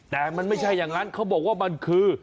แต่มันไม่ใช่อย่างนั้นเขาบอกว่ามันคือ